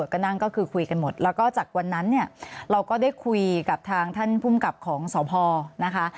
ก็นั่งก็คือคุยกันหมดแล้วก็จากวันนั้นเนี่ยเราก็ได้คุยกับทางท่านภูมิกับของสพนะคะ